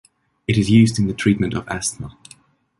It is used in the treatment of asthma.